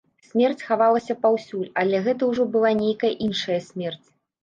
Смерць хавалася паўсюль, але гэта ўжо была нейкая іншая смерць.